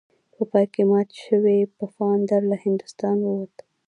په پای کې مات شوی پفاندر له هندوستانه ووت.